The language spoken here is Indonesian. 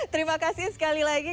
terima kasih sekali lagi